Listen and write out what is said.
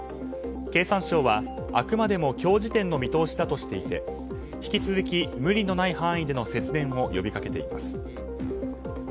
経産省はあくまでも今日時点の見通しだとしていて引き続き無理のない範囲での節電を呼びかけています。